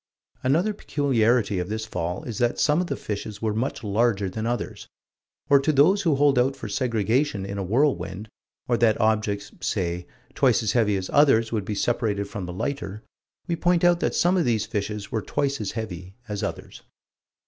Another peculiarity of this fall is that some of the fishes were much larger than others. Or to those who hold out for segregation in a whirlwind, or that objects, say, twice as heavy as others would be separated from the lighter, we point out that some of these fishes were twice as heavy as others.